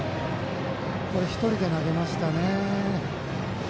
これ、１人で投げましたね。